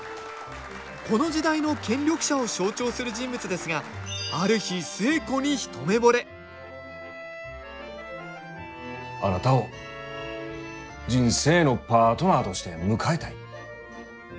この時代の権力者を象徴する人物ですがある日寿恵子に一目ぼれあなたを人生のパートナーとして迎えたい。